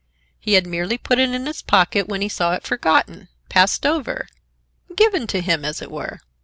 He had merely put it in his pocket when he saw it forgotten, passed over, given to him, as it were.